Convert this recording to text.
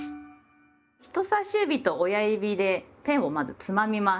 人さし指と親指でペンをまずつまみます。